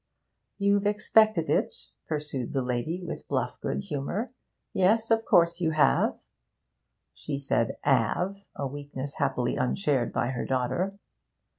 'You've expected it,' pursued the lady, with bluff good humour. 'Yes, of course you have.' She said ''ave,' a weakness happily unshared by her daughter.